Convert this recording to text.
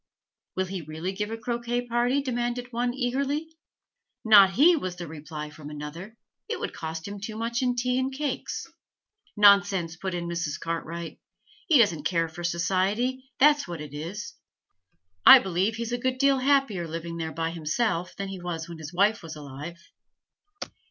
'Will he really give a croquet party?' demanded one, eagerly. 'Not he!' was the reply from another. 'It would cost him too much in tea and cakes.' 'Nonsense!' put in Mrs. Cartwright. 'He doesn't care for society, that's what it is. I believe he's a good deal happier living there by himself than he was when his wife was alive.'